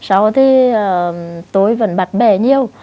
sau thì tôi vẫn bạch bẻ nhiều